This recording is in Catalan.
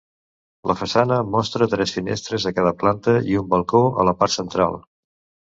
La façana mostra tres finestres a cada planta i un balcó a la part central.